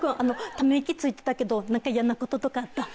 ため息ついてたけど何か嫌なこととかあった？